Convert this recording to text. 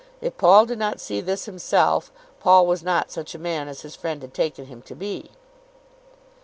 If Paul did not see this himself, Paul was not such a man as his friend had taken him to be.